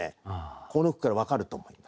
この句から分かると思います。